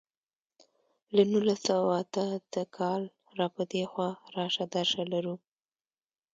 له نولس سوه اته اته کال را په دېخوا راشه درشه لرو.